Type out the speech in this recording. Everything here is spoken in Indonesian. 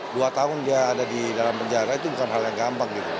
dua tahun dia ada di dalam penjara itu bukan hal yang gampang gitu